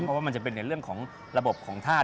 เพราะว่ามันจะเป็นในเรื่องของระบบของธาตุ